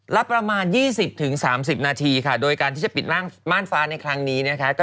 ละประมาณ๒๐๓๐นาทีค่ะโดยการที่จะปิดม่านฟ้าในครั้งนี้นะคะ